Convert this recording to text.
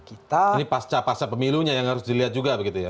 ini pasca pasca pemilunya yang harus dilihat juga begitu ya